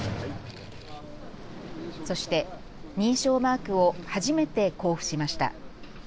そして認証マークを初めて交付しました。